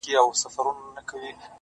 o اوس مي د زړه زړگى په وينو ســور دى،